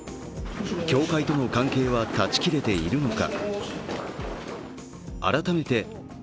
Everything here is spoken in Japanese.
教会との関係は断ち切れているのか。